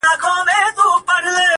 خدای چي و کور ته يو عجيبه منظره راوړې-